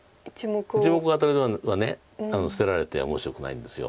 １目アタリなのは捨てられて面白くないんです。